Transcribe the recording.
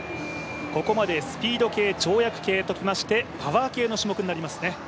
ここまでスピード系、跳躍系ときましてパワー系の種目になりますね。